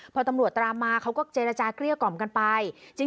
พอตำรวจตามมาเขาก็เจรจาเกลี้ยกล่อมกันไป